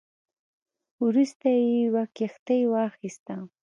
وروسته یې یوه کښتۍ واخیسته.